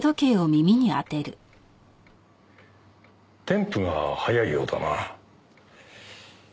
テンプが早いようだな。